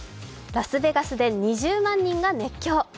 ラスベガスで２０万人が熱狂。